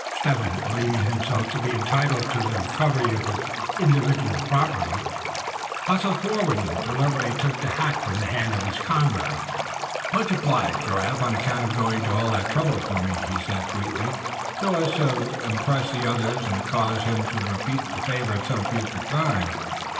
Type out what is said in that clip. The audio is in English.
Step Hen, believing himself to be entitled to the recovery of his individual property, hustled forward, and deliberately took the hat from the hand of his comrade. "Much obliged, Giraffe, on account of going to all that trouble for me," he said, sweetly, so as to impress the other, and cause him to repeat the favor at some future time.